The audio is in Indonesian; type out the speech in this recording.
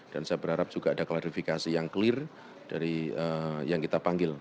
dan saya berharap juga ada klarifikasi yang clear dari yang kita panggil